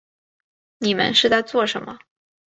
你们是在做什么